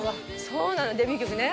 そうなのデビュー曲ね。